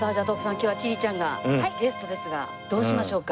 今日は千里ちゃんがゲストですがどうしましょうか？